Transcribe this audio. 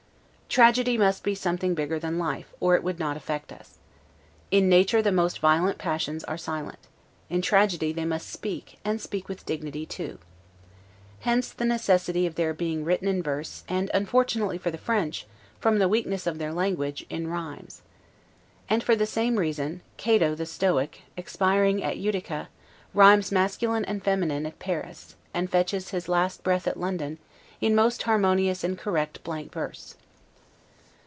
Tragedy must be something bigger than life, or it would not affect us. In nature the most violent passions are silent; in tragedy they must speak, and speak with dignity too. Hence the necessity of their being written in verse, and unfortunately for the French, from the weakness of their language, in rhymes. And for the same reason, Cato the Stoic, expiring at Utica, rhymes masculine and feminine at Paris; and fetches his last breath at London, in most harmmonious and correct blank verse.